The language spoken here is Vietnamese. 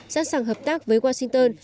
sẵn sàng hợp tác với washington